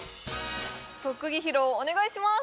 特技披露お願いします